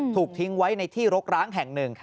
ถูกทิ้งไว้ในที่รกร้างแห่งหนึ่ง